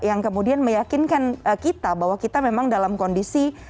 yang kemudian meyakinkan kita bahwa kita memang dalam kondisi